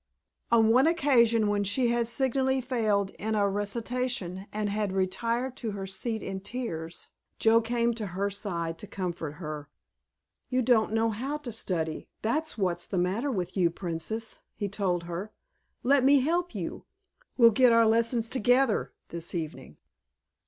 On one occasion when she had signally failed in a recitation and had retired to her seat in tears Joe came to her side to comfort her. "You don't know how to study, that's what's the matter with you, Princess," he told her. "Let me help you. We'll get our lessons together this evening."